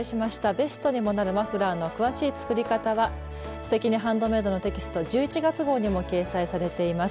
ベストにもなるマフラーの詳しい作り方は「すてきにハンドメイド」のテキスト１１月号にも掲載されています。